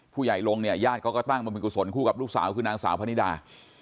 พูเล่นโลกเนี่ยยาก็ตั้งบำเพ็ญกุศลกลุ่มขึ้นอากาศตาคือนักสาวพะนิดา